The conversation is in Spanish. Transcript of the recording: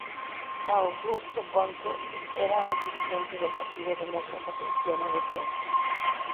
Augusto Conte era un dirigente del Partido Demócrata Cristiano de centro.